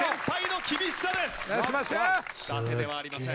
だてではありません。